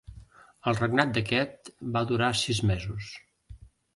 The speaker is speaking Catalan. El regnat d'aquest va durar sis mesos.